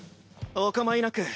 お構いなく。